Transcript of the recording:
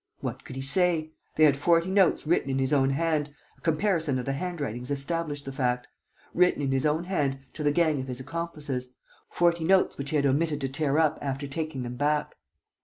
What could he say? They had forty notes written in his own hand a comparison of the handwritings established the fact written in his own hand to the gang of his accomplices, forty notes which he had omitted to tear up after taking them back.